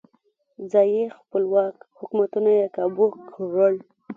ځايي خپلواک حکومتونه یې کابو کړل.